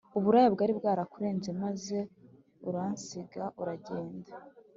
uburaya bwari bwarakurenze maze uransiga uragenda